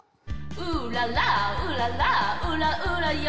ウララウララウラウラよ